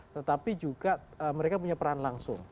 tetapi juga mereka punya peran langsung